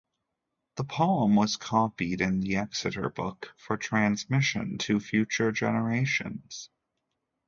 The poem was copied in the Exeter Book for transmission to future generations.